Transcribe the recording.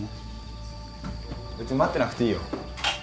別に待ってなくていいよ。